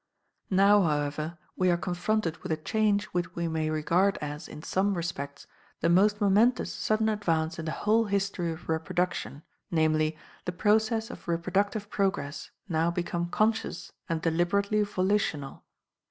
Now, however, we are confronted with a change which we may regard as, in some respects, the most momentous sudden advance in the whole history of reproduction, namely, the process of reproductive progress now become conscious and deliberately volitional.